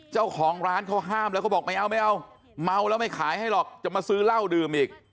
เจ้าของร้านเขาห้ามแล้วเขาบอกไม่เอาไม่เอาเมาแล้วไม่ขายให้หรอกจะมาซื้อเหล้าดื่มอีก